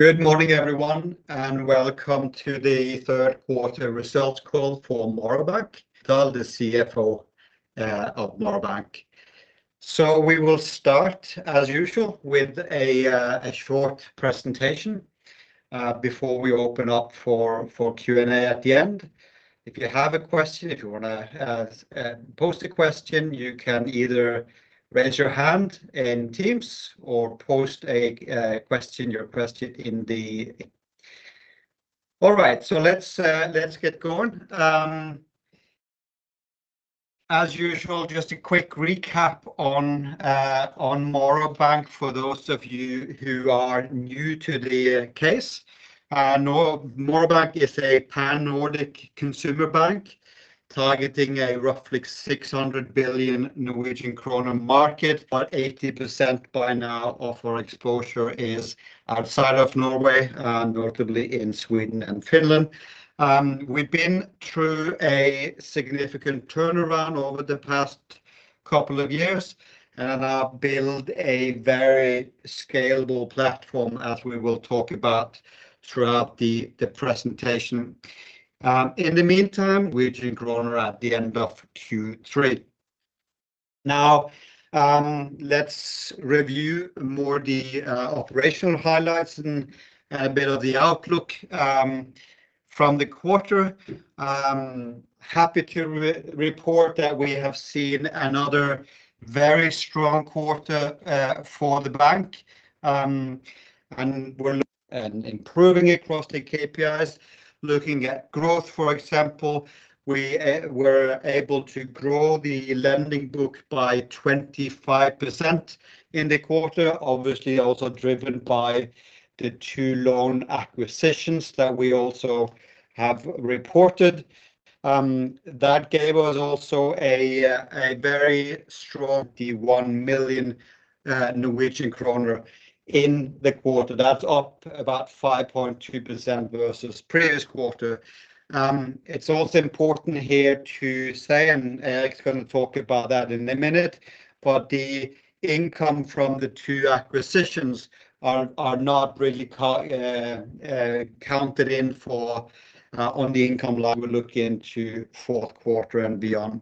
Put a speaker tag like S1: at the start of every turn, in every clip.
S1: Good morning, everyone, and welcome to the Third Quarter Results Call for Morrow Bank. the CFO of Morrow Bank. So we will start, as usual, with a short presentation before we open up for Q&A at the end. If you have a question, if you want to post a question, you can either raise your hand in Teams or post your question. All right, so let's get going. As usual, just a quick recap on Morrow Bank for those of you who are new to the case. Morrow Bank is a pan-Nordic consumer bank targeting a roughly 600 billion Norwegian kroner market. About 80% by now of our exposure is outside of Norway, notably in Sweden and Finland. We've been through a significant turnaround over the past couple of years and have built a very scalable platform, as we will talk about throughout the presentation. In the meantime, we should go around at the end of Q3. Now, let's review more the operational highlights and a bit of the outlook from the quarter. Happy to report that we have seen another very strong quarter for the bank, and we're improving across the KPIs. Looking at growth, for example, we were able to grow the lending book by 25% in the quarter, obviously also driven by the two loan acquisitions that we also have reported. That gave us also a very strong 21 million Norwegian kroner in the quarter. That's up about 5.2% versus the previous quarter. It's also important here to say, and Eirik's going to talk about that in a minute, but the income from the two acquisitions are not really counted in on the income line we're looking into fourth quarter and beyond.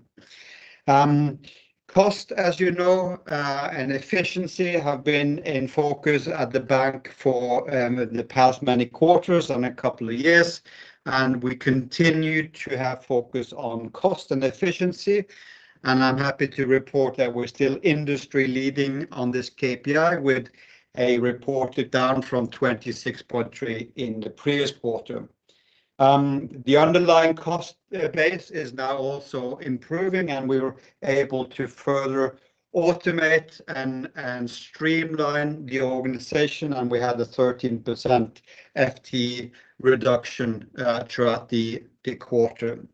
S1: Cost, as you know, and efficiency have been in focus at the bank for the past many quarters and a couple of years. And we continue to have focus on cost and efficiency. And I'm happy to report that we're still industry leading on this KPI with a reported down from 26.3% in the previous quarter. The underlying cost base is now also improving, and we were able to further automate and streamline the organization, and we had a 13% FTE reduction throughout the quarter.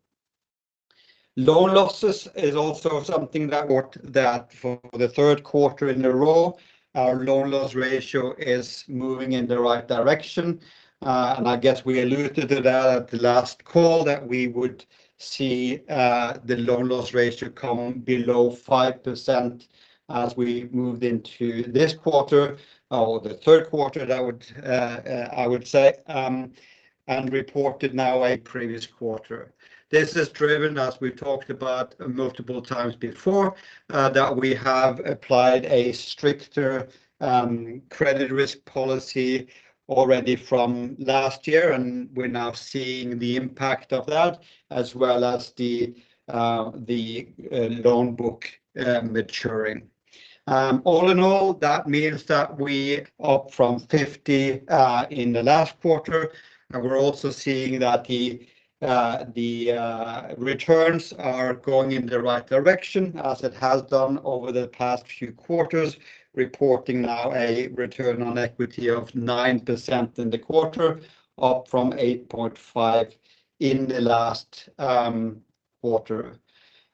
S1: Loan losses is also something that for the third quarter in a row, our loan loss ratio is moving in the right direction. And I guess we alluded to that at the last call, that we would see the loan loss ratio come below 5% as we moved into this quarter or the third quarter, I would say, and reported now like previous quarter. This is driven, as we talked about multiple times before, that we have applied a stricter credit risk policy already from last year, and we're now seeing the impact of that, as well as the loan book maturing. All in all, that means that we... up from 50 in the last quarter. We're also seeing that the returns are going in the right direction, as it has done over the past few quarters, reporting now a return on equity of 9% in the quarter, up from 8.5% in the last quarter.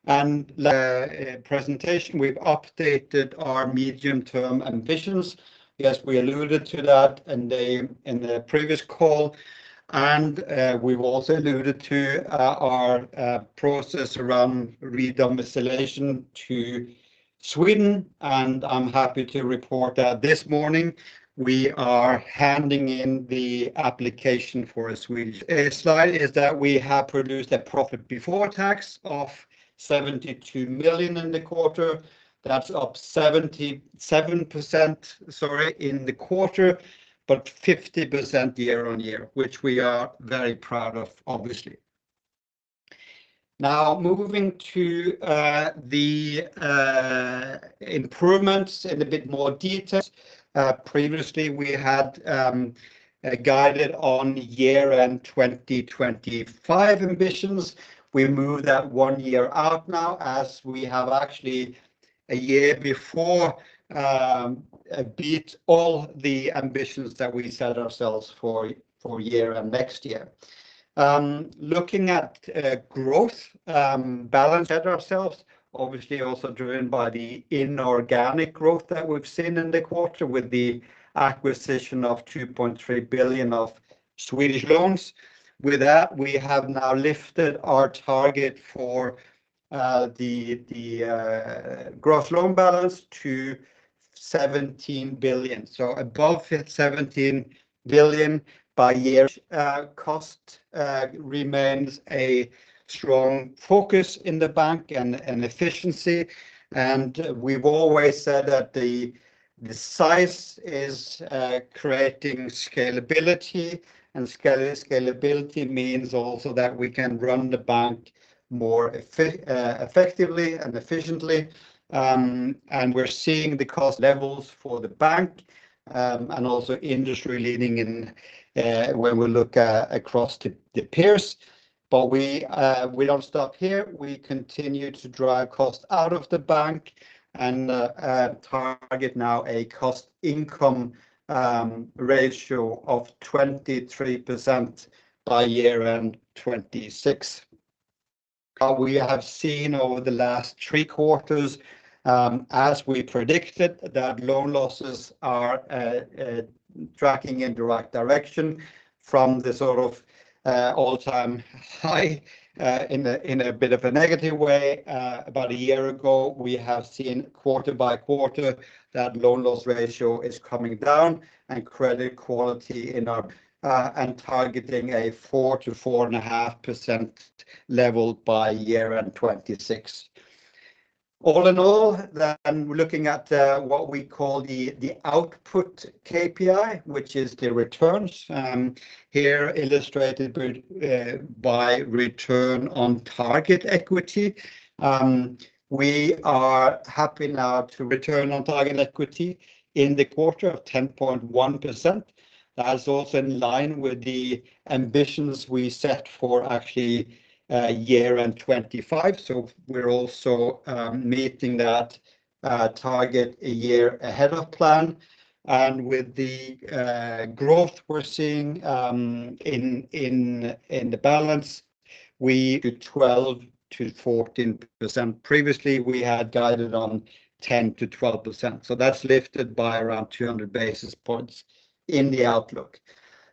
S1: In the presentation, we've updated our medium-term ambitions. Yes, we alluded to that in the previous call. We've also alluded to our process around redomiciliation to Sweden. I'm happy to report that this morning we are handing in the application for a Sweden... A slide is that we have produced a profit before tax of 72 million in the quarter. That's up 77%, sorry, in the quarter, but 50% year on year, which we are very proud of, obviously. Now, moving to the improvements in a bit more detail. Previously, we had guided on year-end 2025 ambitions. We moved that one year out now, as we have actually a year before beat all the ambitions that we set ourselves for year-end next year. Looking at growth, balance set ourselves, obviously also driven by the inorganic growth that we've seen in the quarter with the acquisition of 2.3 billion of Swedish loans. With that, we have now lifted our target for the gross loan balance to 17 billion. So above 17 billion by year... Cost remains a strong focus in the bank and efficiency. And we've always said that the size is creating scalability. And scalability means also that we can run the bank more effectively and efficiently. And we're seeing the cost levels for the bank and also industry leading when we look across the peers. But we don't stop here. We continue to drive cost out of the bank and target now a cost-income ratio of 23% by year-end 2026. We have seen over the last three quarters, as we predicted, that loan losses are tracking in the right direction from the sort of all-time high in a bit of a negative way. About a year ago, we have seen quarter by quarter that loan loss ratio is coming down and credit quality in our... And targeting a 4%-4.5% level by year-end 2026. All in all, then looking at what we call the output KPI, which is the returns here illustrated by return on target equity. We are happy now to return on target equity in the quarter of 10.1%. That's also in line with the ambitions we set for actually year-end 2025. So we're also meeting that target a year ahead of plan. And with the growth we're seeing in the balance, we... to 12%-14%. Previously, we had guided on 10%-12%. So that's lifted by around 200 basis points in the outlook.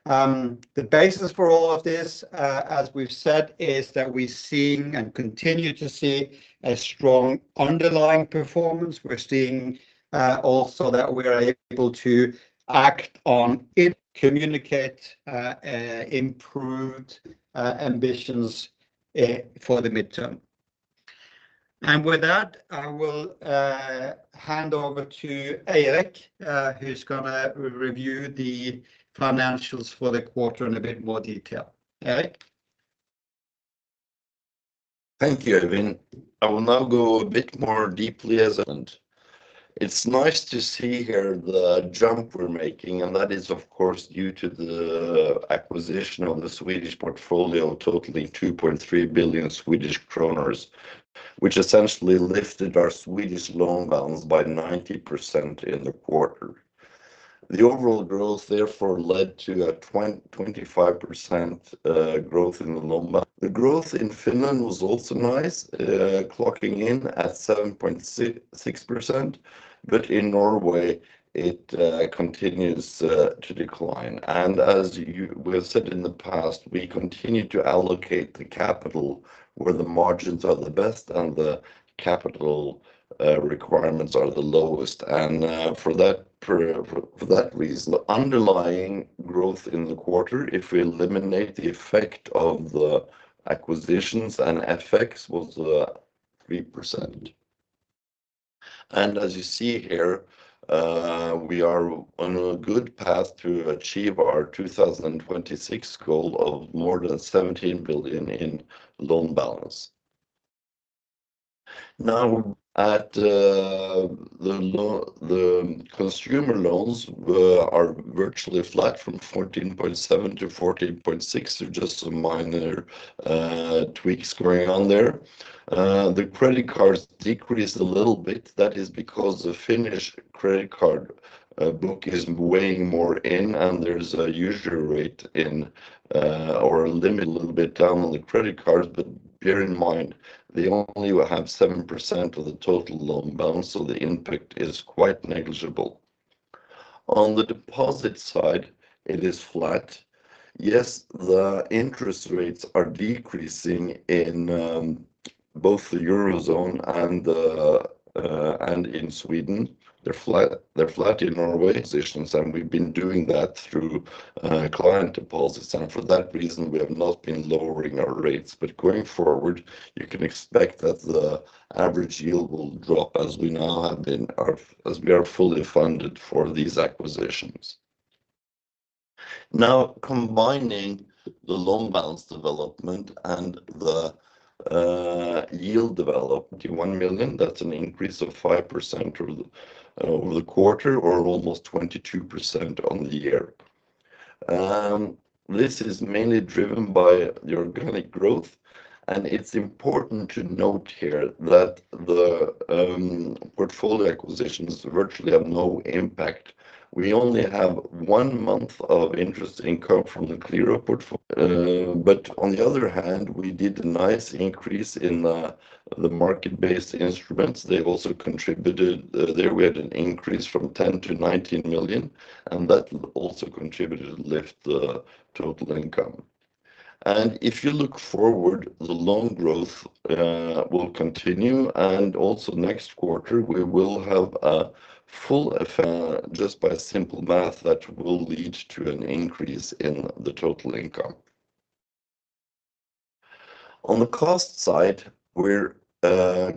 S1: The basis for all of this, as we've said, is that we're seeing and continue to see a strong underlying performance. We're seeing also that we're able to act on it, communicate improved ambitions for the midterm. And with that, I will hand over to Eirik, who's going to review the financials for the quarter in a bit more detail. Eirik?
S2: Thank you, Øyvind. I will now go a bit more deeply. It's nice to see here the jump we're making. And that is, of course, due to the acquisition of the Swedish portfolio, totally 2.3 billion Swedish kronor, which essentially lifted our Swedish loan balance by 90% in the quarter. The overall growth, therefore, led to a 25% growth in the loan balance. The growth in Finland was also nice, clocking in at 7.6%. But in Norway, it continues to decline. And as we've said in the past, we continue to allocate the capital where the margins are the best and the capital requirements are the lowest. And for that reason, the underlying growth in the quarter, if we eliminate the effect of the acquisitions and FX, was 3%. As you see here, we are on a good path to achieve our 2026 goal of more than 17 billion in loan balance. Now, the consumer loans are virtually flat from 14.7 billion to 14.6 billion, so just some minor tweaks going on there. The credit cards decreased a little bit. That is because the Finnish credit card book is weighing more in, and there's a usual rate in or a limit a little bit down on the credit cards. But bear in mind, they only will have 7% of the total loan balance, so the impact is quite negligible. On the deposit side, it is flat. Yes, the interest rates are decreasing in both the Eurozone and in Sweden. They're flat in Norway. Positions, and we've been doing that through client deposits. And for that reason, we have not been lowering our rates. Going forward, you can expect that the average yield will drop as we now have been, as we are fully funded for these acquisitions. Now, combining the loan balance development and the yield development, 21 million NOK, that's an increase of 5% over the quarter or almost 22% on the year. This is mainly driven by the organic growth. It's important to note here that the portfolio acquisitions virtually have no impact. We only have one month of interest income from the Qliro portfolio. On the other hand, we did a nice increase in the market-based instruments. They also contributed. There we had an increase from 10 million NOK to 19 million NOK, and that also contributed to lift the total income. If you look forward, the loan growth will continue. Also next quarter, we will have a full. Just by simple math, that will lead to an increase in the total income. On the cost side, we're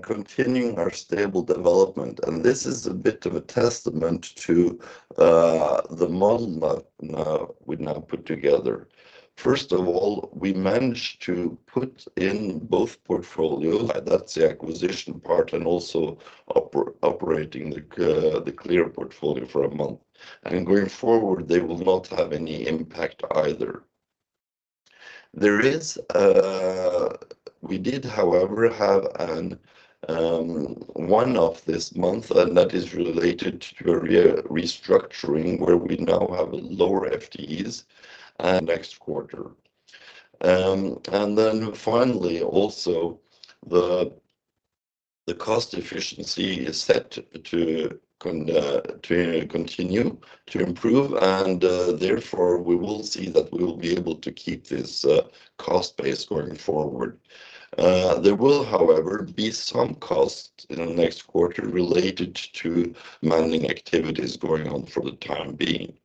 S2: continuing our stable development, and this is a bit of a testament to the model we've now put together. First of all, we managed to put in both portfolios, that's the acquisition part and also operating the clear portfolio for a month, and going forward, they will not have any impact either. We did, however, have one-off this month, and that is related to a restructuring where we now have lower FTEs next quarter, and then finally, also the cost efficiency is set to continue to improve, and therefore, we will see that we will be able to keep this cost base going forward. There will, however, be some cost in the next quarter related to managing activities going on for the time being.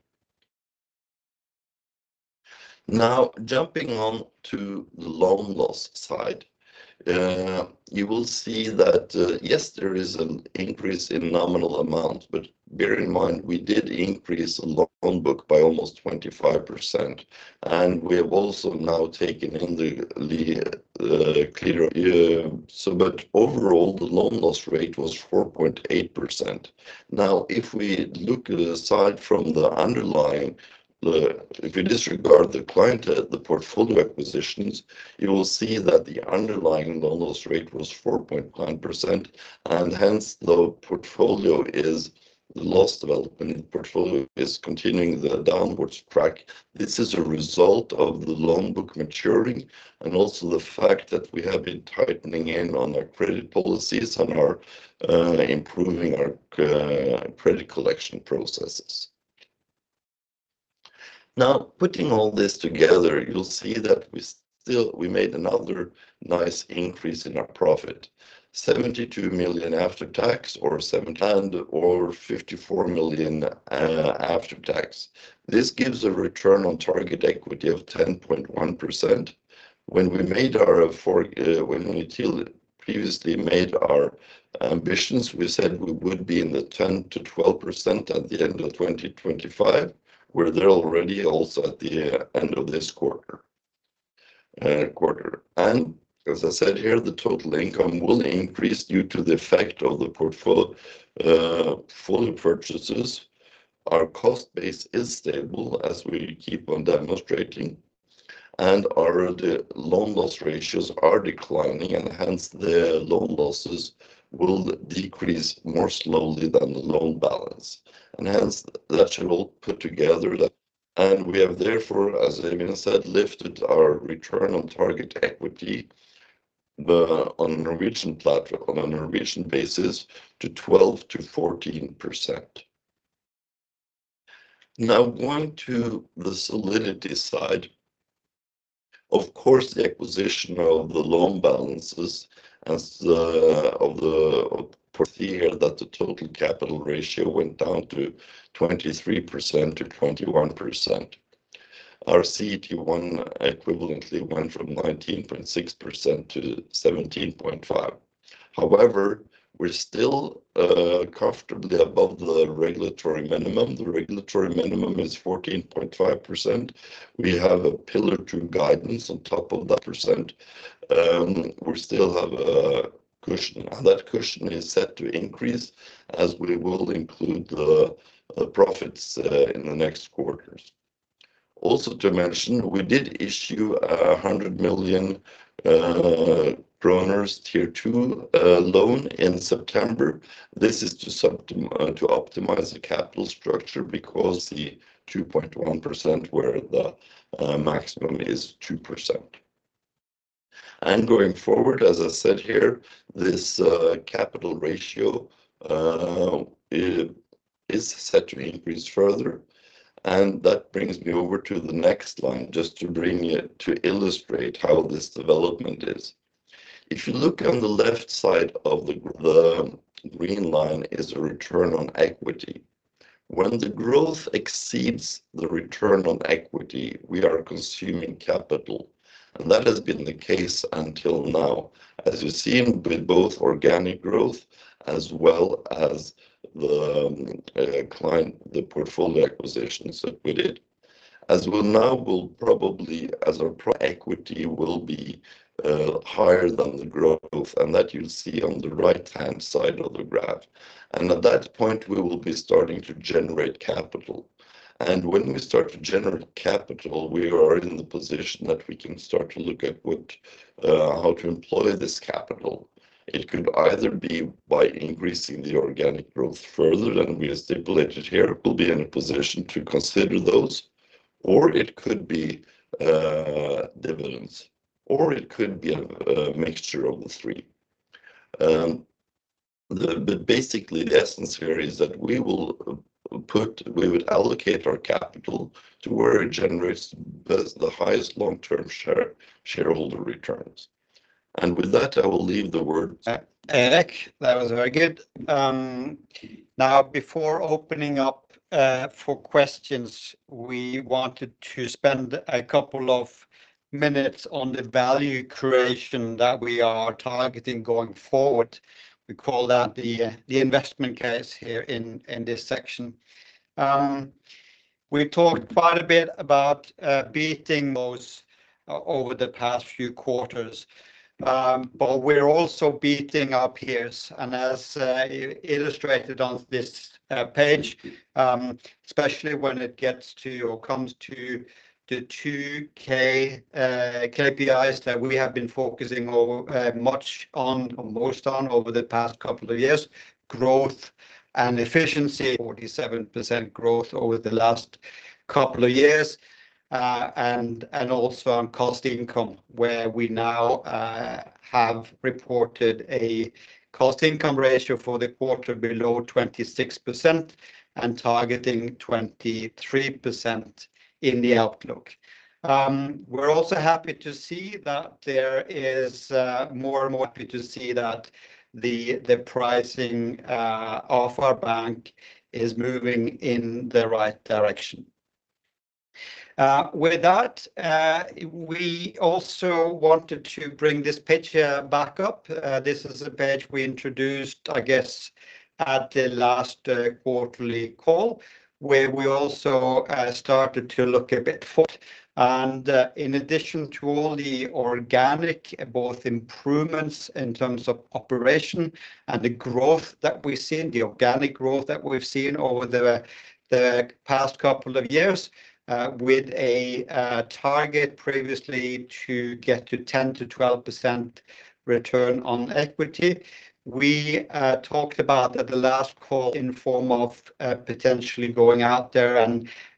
S2: Now, jumping on to the loan loss side, you will see that, yes, there is an increase in nominal amounts, but bear in mind, we did increase the loan book by almost 25%, and we have also now taken in the clear, but overall, the loan loss rate was 4.8%. Now, if we look aside from the underlying, if you disregard the client portfolio acquisitions, you will see that the underlying loan loss rate was 4.9%, and hence, the portfolio, the loss development portfolio, is continuing the downward track. This is a result of the loan book maturing and also the fact that we have been tightening in on our credit policies and improving our credit collection processes. Now, putting all this together, you'll see that we made another nice increase in our profit, 72 million after tax or seven times and over 54 million after tax. This gives a return on target equity of 10.1%. When we made our previous ambitions, we said we would be in the 10%-12% at the end of 2025, where they're already also at the end of this quarter. And as I said here, the total income will increase due to the effect of the portfolio purchases. Our cost base is stable, as we keep on demonstrating. And the loan loss ratios are declining, and hence the loan losses will decrease more slowly than the loan balance. And hence, that should all put together. And we have therefore, as I said, lifted our return on target equity on a Norwegian basis to 12%-14%. Now, onto the solidity side. Of course, the acquisition of the loan balances of the. See here that the total capital ratio went down to 23%-21%. Our CT1 equivalently went from 19.6% to 17.5%. However, we're still comfortably above the regulatory minimum. The regulatory minimum is 14.5%. We have a Pillar 2 guidance on top of that percent. We still have a cushion. And that cushion is set to increase as we will include the profits in the next quarters. Also to mention, we did issue 100 million kroner Tier 2 loan in September. This is to optimize the capital structure because the 2.1% were the maximum is 2%. And going forward, as I said here, this capital ratio is set to increase further. And that brings me over to the next line just to illustrate how this development is. If you look on the left side of the green line is a return on equity. When the growth exceeds the return on equity, we are consuming capital. That has been the case until now, as you've seen with both organic growth as well as the portfolio acquisitions that we did. We'll now probably see, as our equity will be higher than the growth. That you'll see on the right-hand side of the graph. At that point, we will be starting to generate capital. When we start to generate capital, we are in the position that we can start to look at how to employ this capital. It could either be by increasing the organic growth further than we've stipulated here. We'll be in a position to consider those. It could be dividends. It could be a mixture of the three. Basically, the essence here is that we would allocate our capital to where it generates the highest long-term shareholder returns. With that, I will leave the word.
S1: Eirik, that was very good. Now, before opening up for questions, we wanted to spend a couple of minutes on the value creation that we are targeting going forward. We call that the investment case here in this section. We talked quite a bit about beating those over the past few quarters. But we're also beating our peers. And as illustrated on this page, especially when it gets to or comes to the two KPIs that we have been focusing much on or most on over the past couple of years, growth and efficiency, 47% growth over the last couple of years. And also on cost-income, where we now have reported a cost-income ratio for the quarter below 26% and targeting 23% in the outlook. We're also happy to see that the pricing of our bank is moving in the right direction. With that, we also wanted to bring this picture back up. This is a page we introduced, I guess, at the last quarterly call. In addition to all the organic both improvements in terms of operation and the growth that we've seen, the organic growth that we've seen over the past couple of years with a target previously to get to 10%-12% return on equity. We talked about at the last call in the form of potentially going out there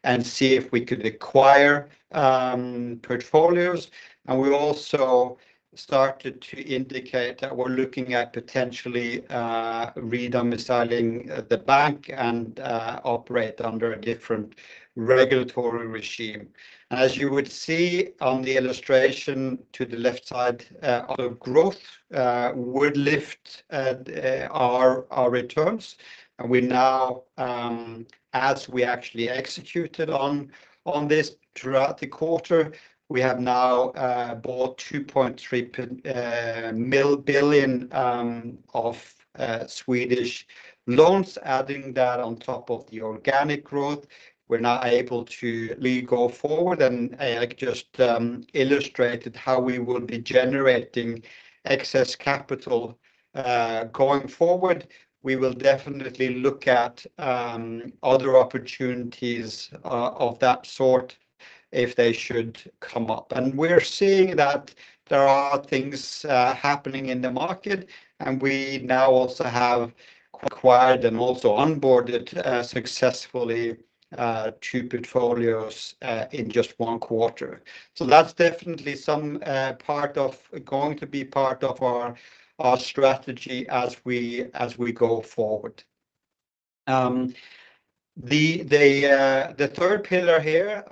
S1: and see if we could acquire portfolios. We also started to indicate that we're looking at potentially redomiciling the bank and operate under a different regulatory regime. And as you would see on the illustration to the left side, the growth would lift our returns. And we now, as we actually executed on this throughout the quarter, we have now bought 2.3 billion of Swedish loans. Adding that on top of the organic growth, we're now able to go forward. And Eirik just illustrated how we will be generating excess capital going forward. We will definitely look at other opportunities of that sort if they should come up. And we're seeing that there are things happening in the market. And we now also have acquired and also onboarded successfully two portfolios in just one quarter. So that's definitely some part of going to be part of our strategy as we go forward. The third pillar here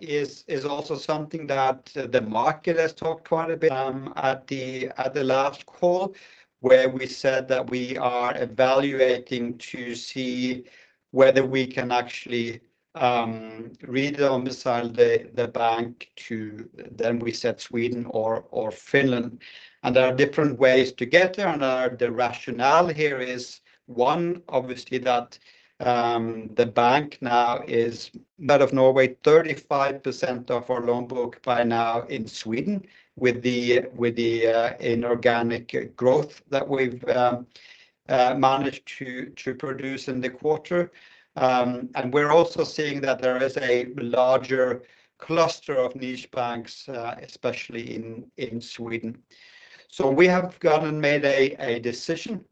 S1: is also something that the market has talked quite a bit at the last call, where we said that we are evaluating to see whether we can actually re-domicile the bank to, then we said, Sweden or Finland. And there are different ways to get there. And the rationale here is one, obviously, that the bank now is in Norway, 35% of our loan book by now in Sweden with the inorganic growth that we've managed to produce in the quarter. And we're also seeing that there is a larger cluster of niche banks, especially in Sweden. So we have gone and made a decision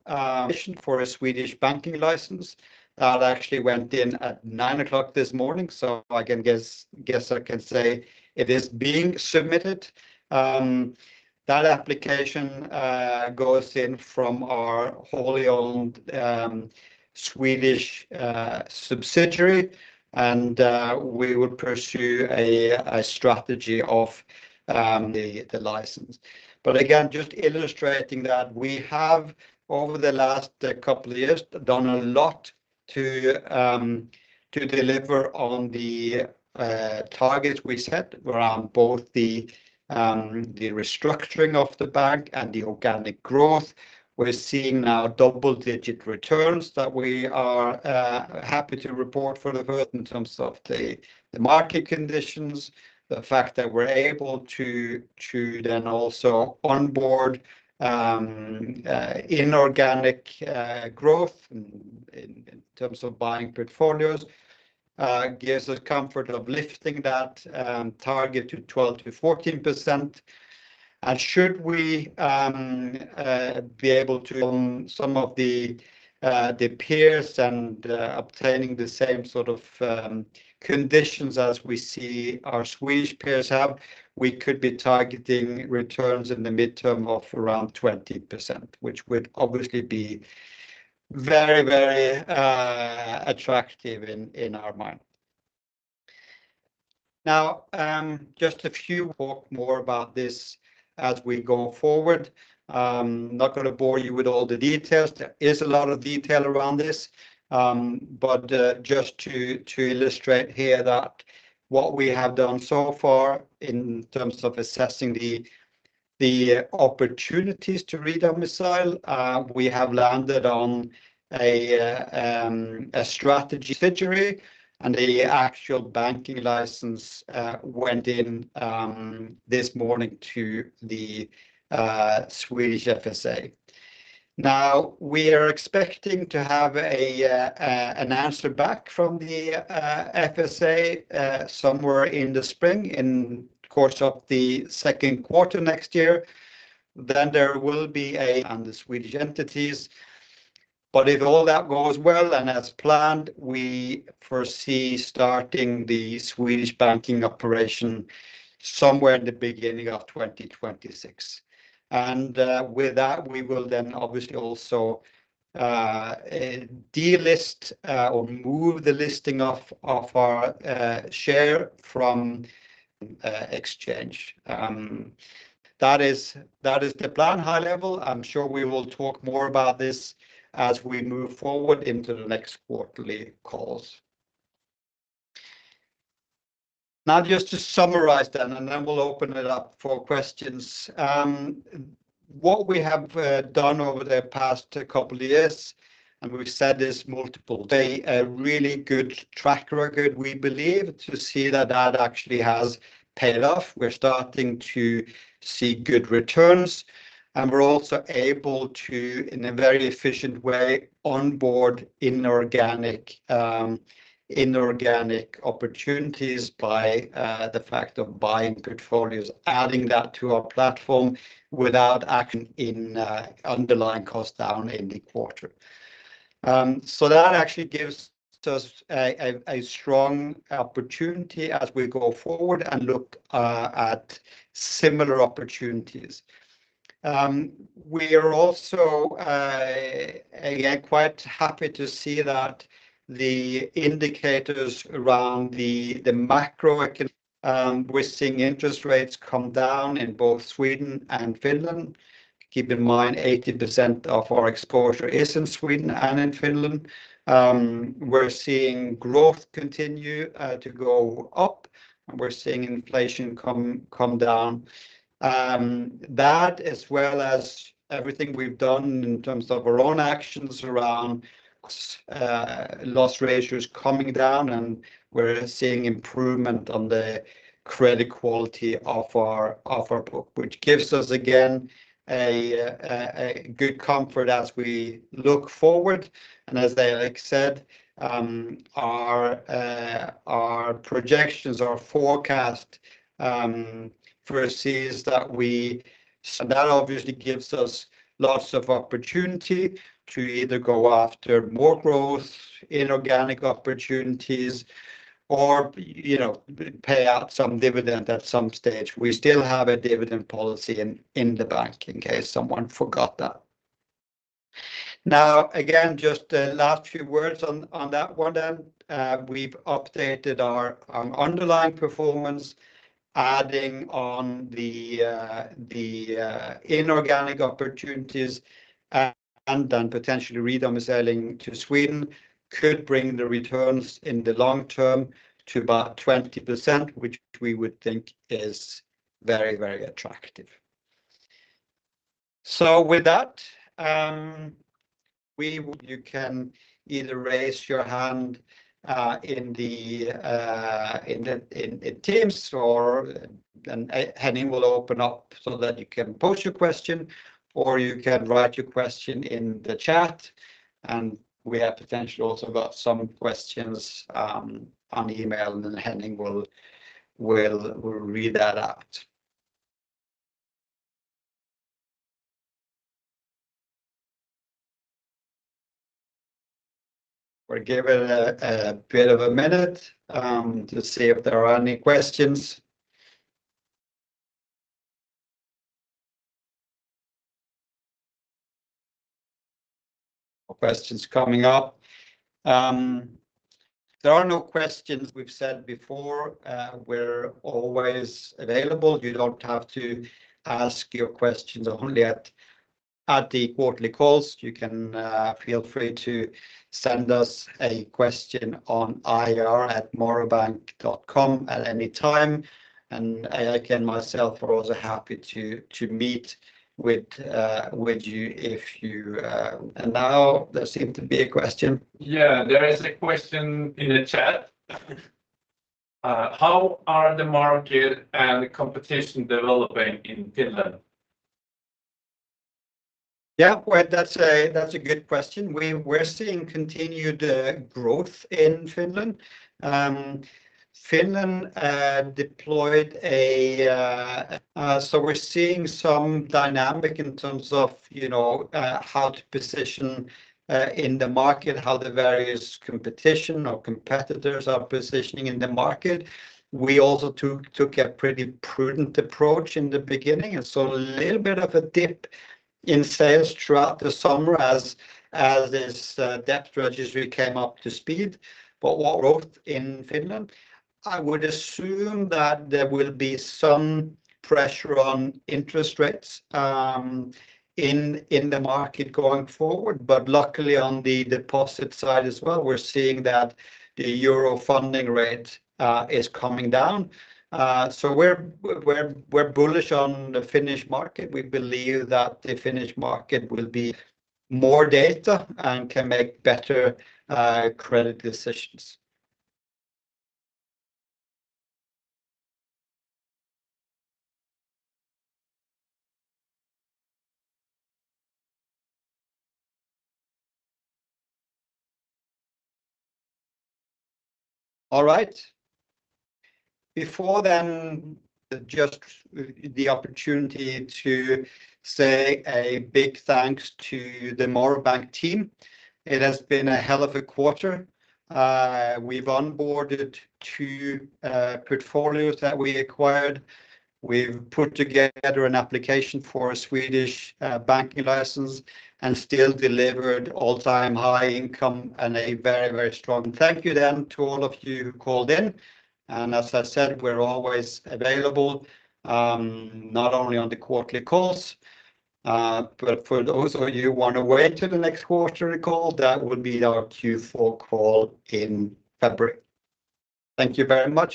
S1: for a Swedish banking license. That actually went in at 9:00 A.M. this morning. So I guess I can say it is being submitted. That application goes in from our wholly owned Swedish subsidiary. We would pursue a strategy of the license. But again, just illustrating that we have over the last couple of years done a lot to deliver on the targets we set around both the restructuring of the bank and the organic growth. We're seeing now double-digit returns that we are happy to report to the world in terms of the market conditions. The fact that we're able to then also onboard inorganic growth in terms of buying portfolios gives us comfort in lifting that target to 12%-14%. And should we be able to surpass some of the peers and obtain the same sort of conditions as we see our Swedish peers have, we could be targeting returns in the midterm of around 20%, which would obviously be very, very attractive in our mind. Now, just to talk more about this as we go forward. I'm not going to bore you with all the details. There is a lot of detail around this. But just to illustrate here that what we have done so far in terms of assessing the opportunities to re-domicile, we have landed on a strategic subsidiary. And the actual banking license went in this morning to the Swedish FSA. Now, we are expecting to have an answer back from the FSA somewhere in the spring, in the course of the second quarter next year. Then there will be a and the Swedish entities. But if all that goes well and as planned, we foresee starting the Swedish banking operation somewhere in the beginning of 2026. And with that, we will then obviously also delist or move the listing of our share from exchange. That is the plan high level. I'm sure we will talk more about this as we move forward into the next quarterly calls. Now, just to summarize that, and then we'll open it up for questions. What we have done over the past couple of years, and we've said this multiple times, a really good track record, we believe, to see that that actually has paid off. We're starting to see good returns. And we're also able to, in a very efficient way, onboard inorganic opportunities by the fact of buying portfolios, adding that to our platform without actually underlying cost down in the quarter. So that actually gives us a strong opportunity as we go forward and look at similar opportunities. We are also quite happy to see that the indicators around the macroeconomy we're seeing interest rates come down in both Sweden and Finland. Keep in mind, 80% of our exposure is in Sweden and in Finland. We're seeing growth continue to go up. And we're seeing inflation come down. That, as well as everything we've done in terms of our own actions around loss ratios coming down, and we're seeing improvement on the credit quality of our book, which gives us, again, a good comfort as we look forward. And as Eirik said, our projections, our forecast foresees that we. And that obviously gives us lots of opportunity to either go after more growth, inorganic opportunities, or pay out some dividend at some stage. We still have a dividend policy in the bank in case someone forgot that. Now, again, just the last few words on that one then. We've updated our underlying performance, adding on the inorganic opportunities and then potentially re-domiciling to Sweden could bring the returns in the long term to about 20%, which we would think is very, very attractive. So with that, you can either raise your hand in Teams or Henning will open up so that you can post your question, or you can write your question in the chat. And we have potential also about some questions on email, and Henning will read that out. We'll give it a bit of a minute to see if there are any questions. No questions coming up. There are no questions, we've said before. We're always available. You don't have to ask your questions only at the quarterly calls. You can feel free to send us a question on ir@morrowbank.com at any time. Eirik and myself are also happy to meet with you if you. Now, there seems to be a question.
S3: Yeah, there is a question in the chat. How are the market and competition developing in Finland?
S1: Yeah, that's a good question. We're seeing continued growth in Finland. So we're seeing some dynamics in terms of how to position in the market, how the various competition or competitors are positioning in the market. We also took a pretty prudent approach in the beginning, and so a little bit of a dip in sales throughout the summer as this digital strategy came up to speed, but growth in Finland. I would assume that there will be some pressure on interest rates in the market going forward, but luckily, on the deposit side as well, we're seeing that the euro funding rate is coming down, so we're bullish on the Finnish market. We believe that the Finnish market will be more data and can make better credit decisions. All right. Before then, just the opportunity to say a big thanks to the Morrow Bank team. It has been a hell of a quarter. We've onboarded two portfolios that we acquired. We've put together an application for a Swedish banking license and still delivered all-time high income and a very, very strong. Thank you then to all of you who called in, and as I said, we're always available, not only on the quarterly calls, but for those of you who want to wait till the next quarterly call, that will be our Q4 call in February. Thank you very much.